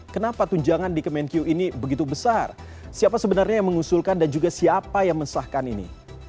kenapa tunjangan di kemenkyu ini begitu besar siapa sebenarnya yang mengusulkan dan juga siapa yang mensahkan ini